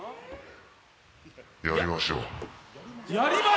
やりましょう。